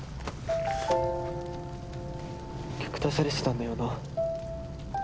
虐待されてたんだよな？